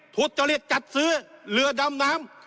ทุจริตจัดซื้อเรือดำน้ำ